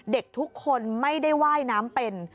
เด็กทุกคนไม่ได้ว่ายน้ำเป็น